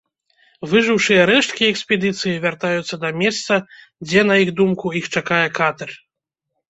Выжыўшыя рэшткі экспедыцыі вяртаюцца да месца, дзе, на іх думку, іх чакае катэр.